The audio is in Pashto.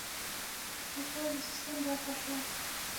لیکوال د سیستم برخه شوه.